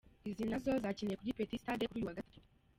Izi nazo zakiniye kuri Petit Stade kuri uyu wa Gatatu.